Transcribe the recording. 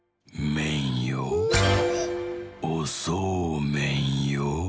おそうめんよ』」。